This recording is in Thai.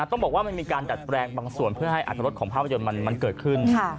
ต้องบอกว่ามันมีการดัดแปลงบางส่วนเพื่อให้อัตรรสของภาพยนตร์มันเกิดขึ้น